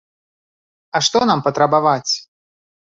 А што нам патрабаваць?